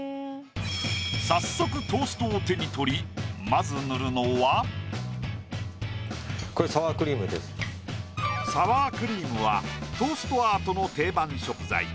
早速トーストを手に取りまずこれサワークリームはトーストアートの定番食材。